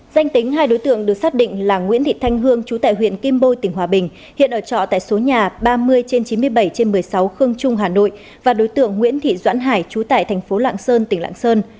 danh tính hai đối tượng được xác định là nguyễn thị thanh hương chú tại huyện kim bôi tỉnh hòa bình hiện ở trọ tại số nhà ba mươi trên chín mươi bảy trên một mươi sáu khương trung hà nội và đối tượng nguyễn thị doãn hải trú tại thành phố lạng sơn tỉnh lạng sơn